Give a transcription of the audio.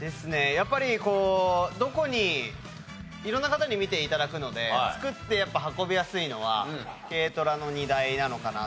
やっぱりこうどこに色んな方に見て頂くので造ってやっぱ運びやすいのは軽トラの荷台なのかなっていう。